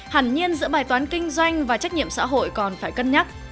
hẳn nhiên giữa bài toán kinh doanh và trách nhiệm xã hội còn phải cân nhắc